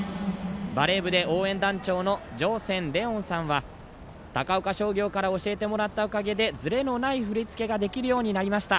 バレー部で応援団長のじょうせんれおんさんは高岡商業から教えてもらったおかげでずれのない振り付けができるようになりました。